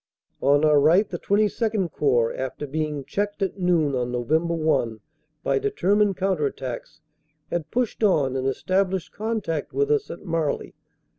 On our right the XXII Corps, after being checked at noon on Nov. 1 by determined counter attacks, had pushed on and established contact with us at Marly.